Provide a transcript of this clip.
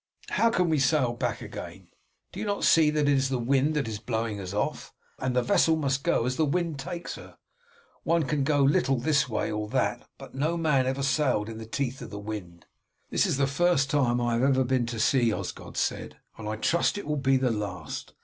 "How can we sail back again? Do you not see that it is the wind that is blowing us off, and the vessel must go as the wind takes her. One can go a little this way or that, but no man ever yet sailed in the teeth of the wind." "This is the first time I have ever been to sea," Osgod said, "and I trust it will be the last.